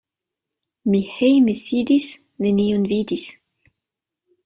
Mi hejme sidis, nenion vidis.